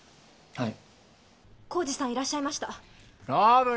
はい。